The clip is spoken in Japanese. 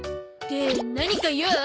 で何か用？